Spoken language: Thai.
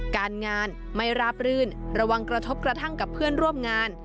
การงานไม่ราบรื่นระวังกระทบกระทั่งกับเพื่อนร่วมงาน